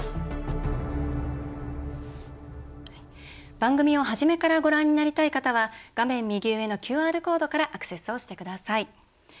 番組を初めからご覧になりたい方は画面右上のＱＲコードからアクセスをしてください。